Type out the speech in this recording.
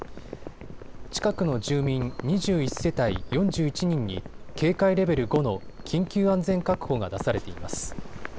近くの住民、２１世帯４１人に警戒レベル５の緊急安全確保が出されています。